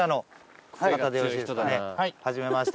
初めまして。